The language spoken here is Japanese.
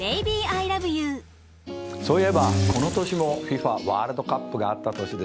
そういえばこの年もＦＩＦＡワールドカップがあった年です。